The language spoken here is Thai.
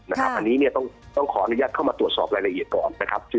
อันนี้ต้องขออนุญาตเข้ามาตรวจสอบรายละเอียดก่อนนะครับ